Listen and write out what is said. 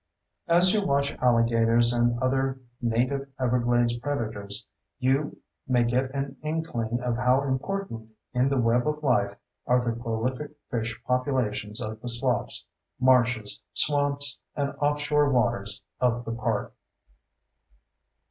As you watch alligators and other native Everglades predators, you may get an inkling of how important in the web of life are the prolific fish populations of the sloughs, marshes, swamps, and offshore waters of the park.